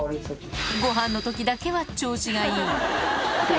ごはんのときだけは調子がいい。